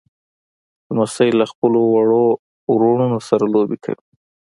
لمسی له خپلو وړو وروڼو سره لوبې کوي.